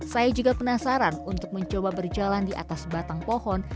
saya juga penasaran untuk mencoba berjalan di atas batang pohon